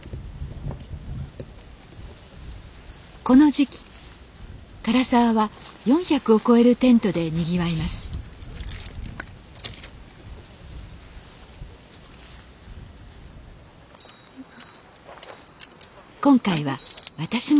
この時期涸沢は４００を超えるテントでにぎわいます